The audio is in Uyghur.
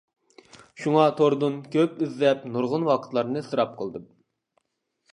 شۇڭا توردىن كۆپ ئىزدەپ نۇرغۇن ۋاقىتلارنى ئىسراپ قىلدىم.